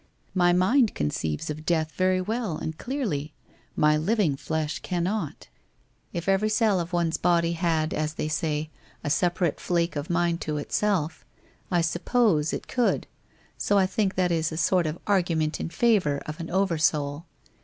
My mind conceives of death very well and clearly, my living flesh cannot. If every cell of one's body had, as they say, a separate flake of mind to itself, I suppose it could, so I think that is a sort of argument in favour of an over soul.